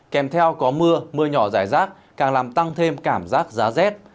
kèm theo có mưa mưa nhỏ rải rác càng làm tăng thêm cảm giác giá rét